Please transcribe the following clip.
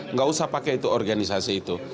nggak usah pakai itu organisasi itu